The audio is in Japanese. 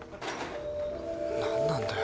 何なんだよ